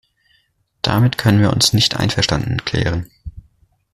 Damit können wir uns nicht einverstanden erklären.